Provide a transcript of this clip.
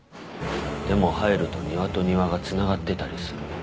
でも入ると庭と庭が繋がってたりする。